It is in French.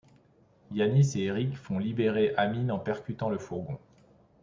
Yanis et Éric font libérer Amine en percutant le fourgon.